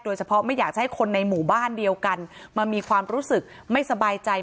ไม่อยากจะให้คนในหมู่บ้านเดียวกันมามีความรู้สึกไม่สบายใจ